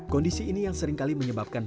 kondisi ini yang seringkali menyebabkan